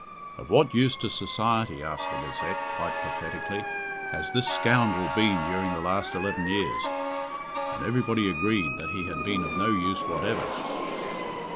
"Of what use to society," asked the Gazette, quite pathetically, "has this scoundrel been during the last eleven years?" And everybody agreed that he had been of no use whatever.